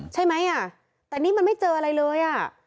ใช่มั้ยอ่ะตอนนี้มันไม่เจออะไรเลยอ่ะ